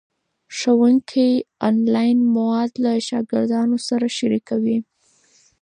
ښوونکي آنلاین مواد له شاګردانو سره شریکوي.